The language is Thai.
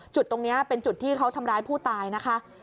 จุดตรงนี้เป็นจุดที่เขาทำร้ายผู้ตายนะคะ